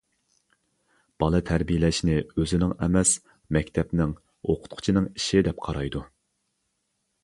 بالا تەربىيەلەشنى ئۆزىنىڭ ئەمەس، مەكتەپنىڭ، ئوقۇتقۇچىنىڭ ئىشى دەپ قارايدۇ.